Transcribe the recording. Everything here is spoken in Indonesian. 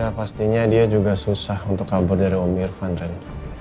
ya pastinya dia juga susah untuk kabur dari om irfan dan